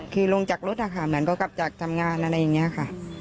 คือลงจากรถอะค่ะเหมือนเขากลับจากทำงานอะไรอย่างนี้ค่ะ